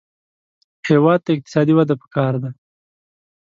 هېواد ته اقتصادي وده پکار ده